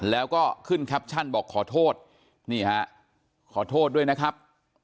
แล้วก็ขึ้นแคปชั่นบอกขอโทษนี่ฮะขอโทษด้วยนะครับ